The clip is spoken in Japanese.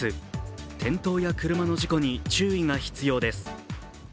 転倒や車の事故に注意が必要です。